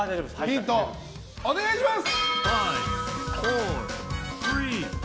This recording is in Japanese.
ヒントお願いします。